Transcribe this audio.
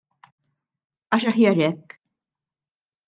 Għax aħjar hekk.